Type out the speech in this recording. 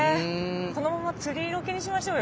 このまま釣りロケにしましょうよ。